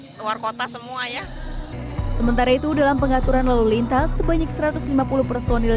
ya maaf dari luar kota semua ya sementara itu dalam pengaturan lalu lintas sebanyak satu ratus lima puluh personil